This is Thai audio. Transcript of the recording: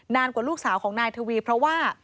นานกว่าลูกสาวของนายทวีเพราะว่า